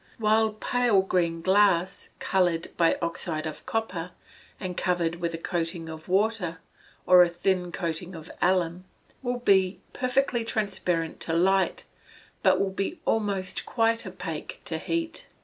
While pale green glass, coloured by oxide of copper, and covered with a coating of water, or a thin coating of alum, will be perfectly transparent to light, but will be almost quite opaque to heat.